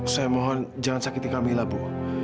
saya mohon jangan sakiti kamilah bu